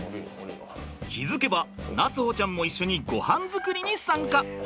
気付けば夏歩ちゃんも一緒にごはん作りに参加。